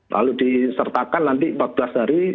lalu disertakan nanti empat belas hari